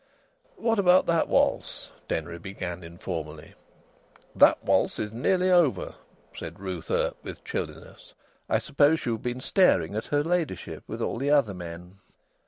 "What about that waltz?" Denry began informally. "That waltz is nearly over," said Ruth Earp, with chilliness. "I suppose you've been staring at her ladyship with all the other men."